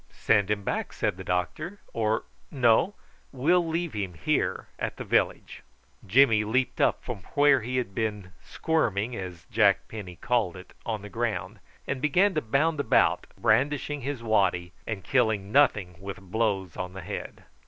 "Send him back," said the doctor; "or, no: we'll leave him here at the village." Jimmy leaped up from where he had been squirming, as Jack Penny called it, on the ground, and began to bound about, brandishing his waddy, and killing nothing with blows on the head.